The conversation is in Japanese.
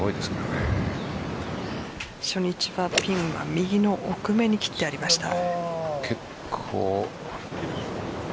初日はピンは右の奥めに切ってありました。